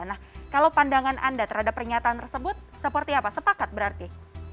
nah kalau pandangan anda terhadap pernyataan tersebut seperti apa sepakat berarti